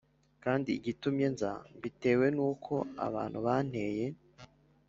kandi igitumye nza mbitewe n uko abantu banteye